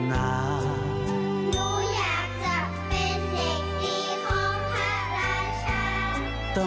หนูอยากจะเป็นเพลงดีของพระราชา